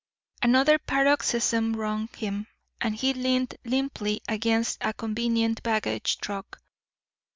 Another paroxysm wrung him, and he leaned limply against a convenient baggage truck.